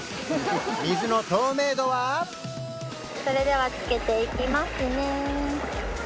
それではつけていきますね